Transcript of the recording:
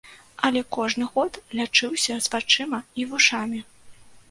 Але кожны год лячыўся з вачыма і вушамі.